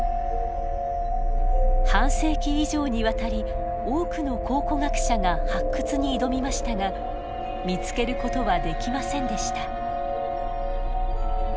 半世紀以上にわたり多くの考古学者が発掘に挑みましたが見つけることはできませんでした。